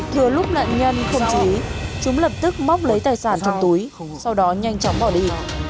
thừa lúc nạn nhân không chú ý chúng lập tức móc lấy tài sản trong túi sau đó nhanh chóng bỏ đi